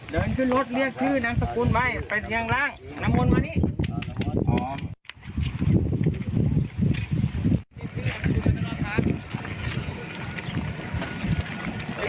เดินขึ้นรถเรียกชื่อนามสกุลไว้ไปเพียงร่างน้ำมนต์มานี่